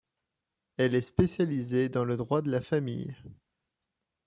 Elle est spécialisée dans le droit de la famille.